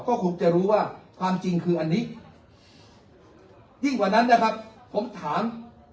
ก็คงจะรู้ว่าความจริงคืออันนี้ยิ่งกว่านั้นนะครับผมถาม